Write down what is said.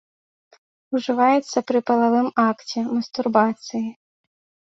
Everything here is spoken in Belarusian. Ужываецца пры палавым акце, мастурбацыі.